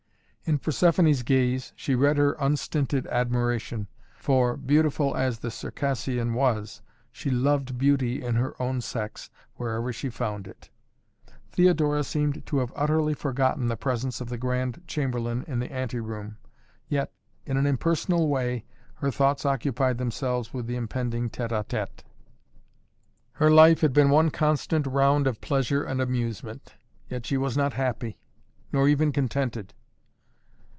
In Persephoné's gaze she read her unstinted admiration, for, beautiful as the Circassian was, she loved beauty in her own sex, wherever she found it. Theodora seemed to have utterly forgotten the presence of the Grand Chamberlain in the anteroom, yet, in an impersonal way, her thoughts occupied themselves with the impending tete a tete. Her life had been one constant round of pleasure and amusement, yet she was not happy, nor even contented.